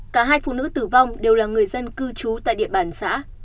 cả hai phụ nữ tử vong đều là người dân cư trú tại địa bàn xã